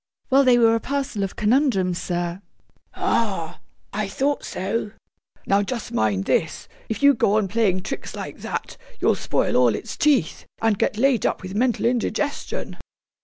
'Well, they were a parcel of conundrums, sir.' 'Ah, I thought so. Now just mind this: if you go on playing tricks like that, you'll spoil all its teeth, and get laid up with mental indigestion.